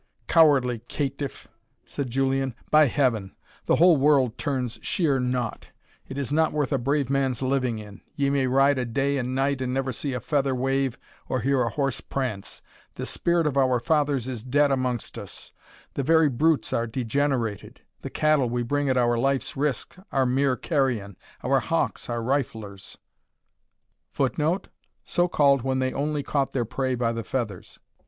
"Cowardly caitiff!" said Julian; "by Heaven! the whole world turns sheer naught it is not worth a brave man's living in ye may ride a day and night, and never see a feather wave or hear a horse prance the spirit of our fathers is dead amongst us the very brutes are degenerated the cattle we bring at our life's risk are mere carrion our hawks are riflers [Footnote: So called when they only caught their prey by the feathers.